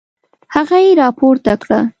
هغه يې راپورته کړه.